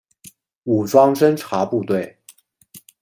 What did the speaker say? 武装侦察部队。